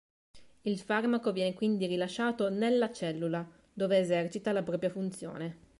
Il farmaco viene quindi rilasciato nella cellula, dove esercita la propria funzione.